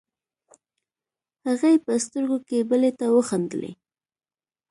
هغې په سترګو کې بلې ته وخندلې.